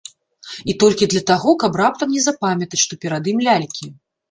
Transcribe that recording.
І толькі для таго, каб раптам не запамятаць, што перад ім лялькі.